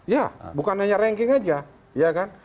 ya bukan hanya ranking saja